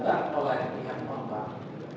dan juga melayani yang kontak